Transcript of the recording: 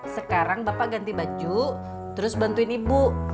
sekarang bapak ganti baju terus bantuin ibu